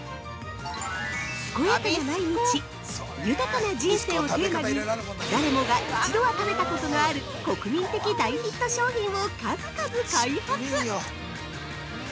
すこやかな毎日ゆたかな人生をテーマに誰もが一度は食べたことのある国民的大ヒット商品を数々開発！